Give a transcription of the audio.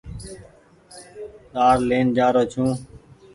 ڏآڙ لين جآرو ڇون ۔